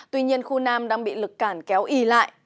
tuy nhiên khu nam đang bị lực cản kéo ý lại